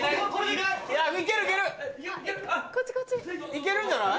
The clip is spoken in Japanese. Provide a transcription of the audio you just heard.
いけるんじゃない？